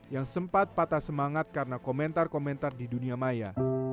yang sempat patah semangat karena komentar komentar di dunia maya